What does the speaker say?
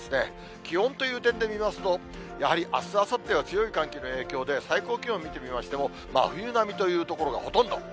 気温という点で見ますと、やはりあす、あさっては強い寒気の影響で、最高気温見てみましても、真冬並みという所がほとんど。